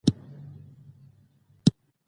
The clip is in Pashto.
د پاکوالي ساتل د ناروغۍ څخه د خلاصون لار ده.